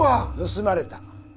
盗まれた。